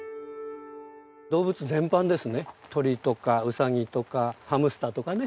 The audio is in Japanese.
動物全般ですね鳥とかウサギとかハムスターとかね